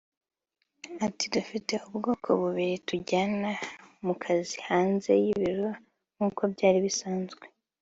Ati “Dufite ubwoko bubiri tujyana mu kazi hanze y’ibiro nk’uko byari bisanzwe